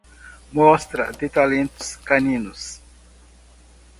Mostra de talentos caninos